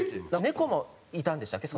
猫もいたんでしたっけ？